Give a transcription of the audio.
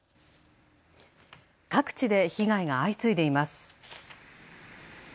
各地で被害が相次いでいます。